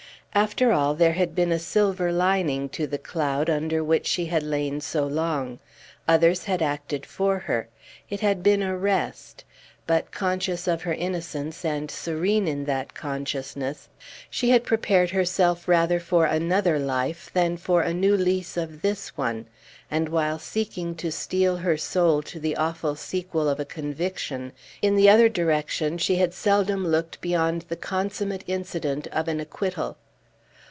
After all there had been a silver lining to the cloud under which she had lain so long. Others had acted for her. It had been a rest. But, conscious of her innocence, and serene in that consciousness, she had prepared herself rather for another life than for a new lease of this one; and, while seeking to steel her soul to the awful sequel of a conviction, in the other direction she had seldom looked beyond the consummate incident of an acquittal.